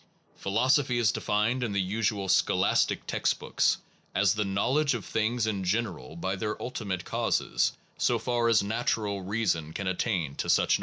Philosophy is defined in the usual scholastic textbooks as the knowledge of things in gen eral by their ultimate causes, so far as natural reason can attain to such knowledge.